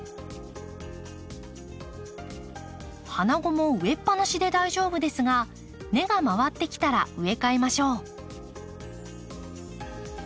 花後も植えっぱなしで大丈夫ですが根が回ってきたら植え替えましょう。